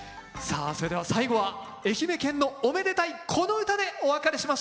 さあそれでは最後は愛媛県のおめでたいこの唄でお別れしましょう。